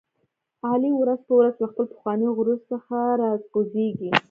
علي ورځ په ورځ له خپل پخواني غرور څخه را کوزېږي.